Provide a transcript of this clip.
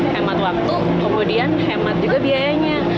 hemat waktu kemudian hemat juga biayanya